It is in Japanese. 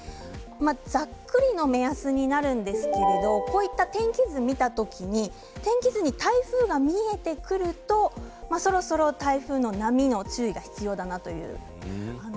ざっくりの目安になるんですけれどこういった天気図を見た時に天気図に台風が見えてくるとそろそろ台風の波の注意が必要だなという。